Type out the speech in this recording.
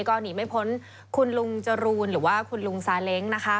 ก็หนีไม่พ้นคุณลุงจรูนหรือว่าคุณลุงซาเล้งนะคะ